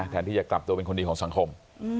แทนที่จะกลับตัวเป็นคนดีของสังคม